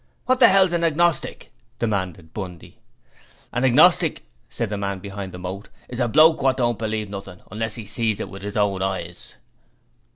'What the 'ell's an agnostic?' demanded Bundy. 'An agnostic,' said the man behind the moat, 'is a bloke wot don't believe nothing unless 'e see it with 'is own eyes.'